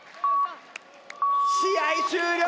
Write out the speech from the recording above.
試合終了！